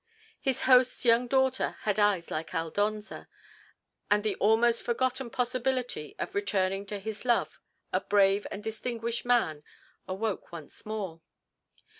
His host's young daughter had eyes like Aldonza, and the almost forgotten possibility of returning to his love a brave and distinguished man awoke once more.